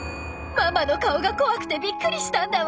ママの顔が怖くてビックリしたんだわ。